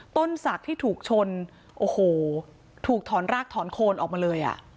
ต้นศักดิ์ที่ถูกชนโอ้โหถูกถอนรากถอนโคนออกมาเลยอ่ะ